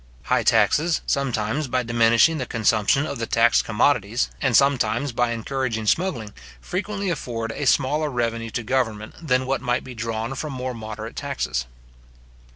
High taxes, sometimes by diminishing the consumption of the taxed commodities, and sometimes by encouraging smuggling frequently afford a smaller revenue to government than what might be drawn from more moderate taxes.